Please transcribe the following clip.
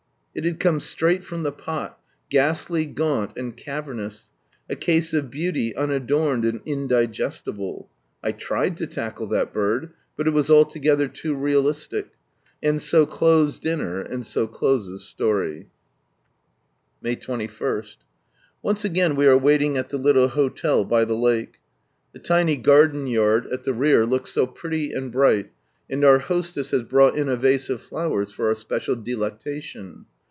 It had come straight from the pot, ghastly, gaunt, and cavernous : a case of beauty unadorned and indigestible. I tried to tackle that bird, but it was altogether too realistic. And so closed dinner, and so closes story, A/ay 21.— Once again we are waiting at the little hotel by the lake. The tiny garden yard at the rear looks so pretty and bright, and our hostess has brought in a vase of flowers for our special delectation.